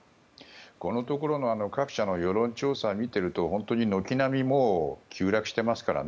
このところの各社の世論調査を見ていると本当に軒並み急落していますからね。